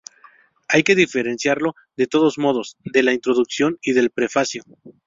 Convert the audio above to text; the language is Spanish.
Hay que diferenciarlo, de todos modos, de la introducción y del prefacio.